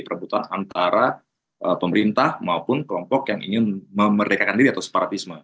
perebutan antara pemerintah maupun kelompok yang ingin memerdekakan diri atau separatisme